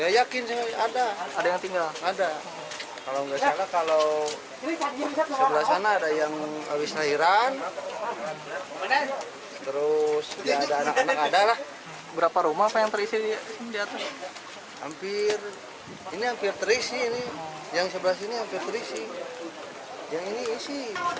yang sebelah sini yang tertisi yang ini isi